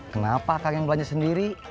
kenapa kang yang belanja sendiri